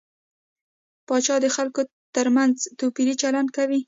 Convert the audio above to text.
پاچا د خلکو تر منځ توپيري چلند کوي .